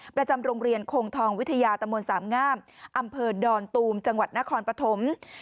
ประจำโรงเรียนคงทองวิทยาตะมนต์สามงามอำเภอดอนตูมจังหวัดนครปฐม